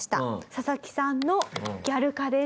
ササキさんのギャル化です。